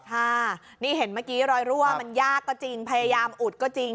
ค่ะนี่เห็นเมื่อกี้รอยรั่วมันยากก็จริงพยายามอุดก็จริง